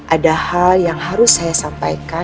ada hal yang harus saya sampaikan